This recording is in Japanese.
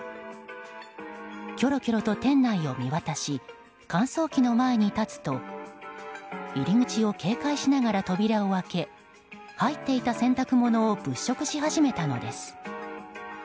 きょろきょろと店内を見渡し乾燥機の前に立つと入り口を警戒しながら扉を開け入っていた洗濯物を物色し始めたのです。